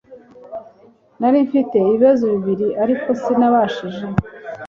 nari mfite ibibazo bibiri, ariko sinababajije